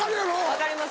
分かります。